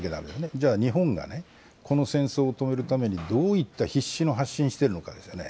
じゃあ、日本がこの戦争を止めるためにどういった必死の発信してるのかですよね。